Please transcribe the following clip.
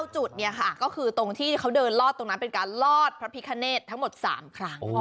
จุดเนี่ยค่ะก็คือตรงที่เขาเดินลอดตรงนั้นเป็นการลอดพระพิคเนธทั้งหมด๓ครั้ง